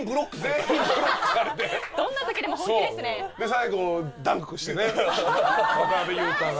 最後ダンクをしてね渡邊雄太が。